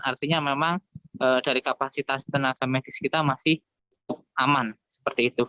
artinya memang dari kapasitas tenaga medis kita masih aman seperti itu